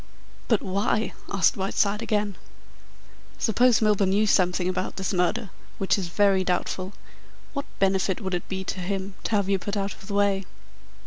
"But why?" asked Whiteside again. "Suppose Milburgh knew something about this murder which is very doubtful what benefit would it be to him to have you put out of the way?"